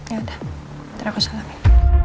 yaudah ntar aku salamin